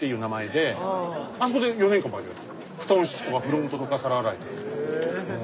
あそこが布団敷きとかフロントとか皿洗いとか。